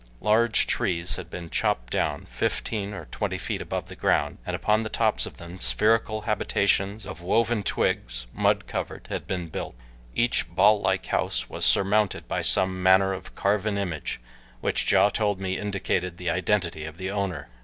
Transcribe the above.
Large trees had been chopped down fifteen or twenty feet above the ground, and upon the tops of them spherical habitations of woven twigs, mud covered, had been built. Each ball like house was surmounted by some manner of carven image, which Ja told me indicated the identity of the owner.